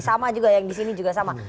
sama juga yang disini juga sama